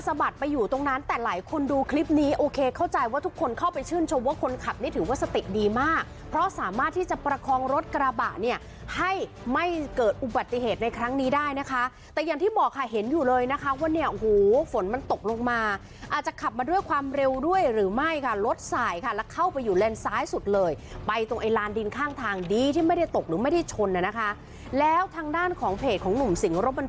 กระบาดไปอยู่ตรงนั้นแต่หลายคนดูคลิปนี้โอเคเข้าใจว่าทุกคนเข้าไปชื่นชมว่าคนขับนี่ถือว่าสติกดีมากเพราะสามารถที่จะประคองรถกระบาดเนี่ยให้ไม่เกิดอุบัติเหตุในครั้งนี้ได้นะคะแต่อย่างที่บอกค่ะเห็นอยู่เลยนะคะว่าเนี่ยอู้หูฝนมันตกลงมาอาจจะขับมาด้วยความเร็วด้วยหรือไม่ค่ะรถสายค่ะแล้วเข้าไปอยู่แลนด์ซ้